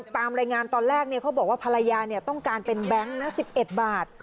ตามรายงานตอนแรกเขาบอกว่าภรรยาต้องการเป็นแบงค์นะ๑๑บาท